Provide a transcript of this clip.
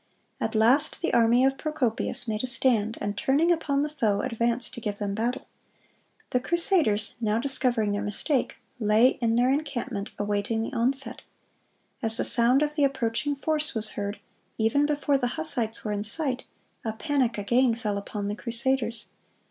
At last the army of Procopius made a stand, and turning upon the foe, advanced to give them battle. The crusaders, now discovering their mistake, lay in their encampment awaiting the onset. As the sound of the approaching force was heard, even before the Hussites were in sight, a panic again fell upon the crusaders.